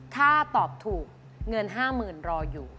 ถ้าตอบถูกเงิน๕๐๐๐รออยู่